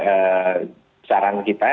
itu saran kita